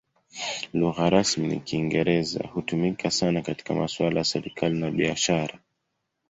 Lugha rasmi ni Kiingereza; hutumika sana katika masuala ya serikali na biashara.